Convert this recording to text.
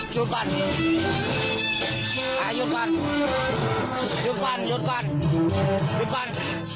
ดับเครื่องก่อนป่าดับเครื่องก่อน